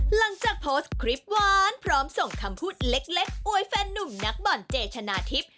หลังจากโพสต์คลิปหวานพร้อมส่งคำพูดเล็กอวยแฟนนุ่มนักบ่อนเจชนะทิพย์